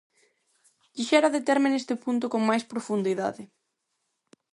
Quixera determe neste punto con máis profundidade.